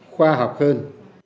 khoa học hơn